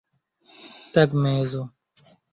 tagmezo